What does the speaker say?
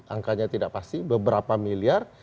angkanya tidak pasti beberapa miliar